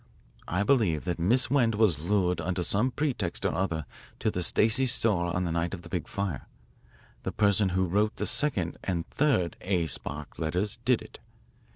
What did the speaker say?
I believe that Miss Wend was lured under some pretext or other to the Stacey store on the night of the big fire. The person who wrote the second and third 'A. Spark' letters did it.